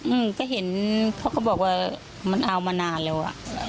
อืมก็เห็นเพราะเขาบอกว่ามันเอามานานแล้วอ่ะ